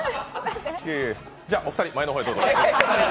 じゃ、お二人前の方へどうぞ。